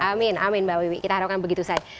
amin amin mbak wiwi kita harapkan begitu saja